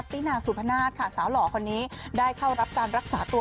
ตินาสุพนาศค่ะสาวหล่อคนนี้ได้เข้ารับการรักษาตัว